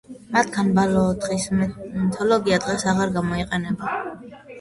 მათგან ბოლო ოთხის მეთოდოლოგია დღეს აღარ გამოიყენება.